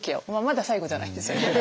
まだ最後じゃないですけどね。